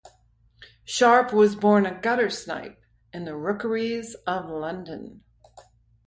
Sharpe was born a guttersnipe in the rookeries of London.